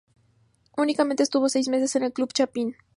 Únicamente estuvo seis meses con el club chapín.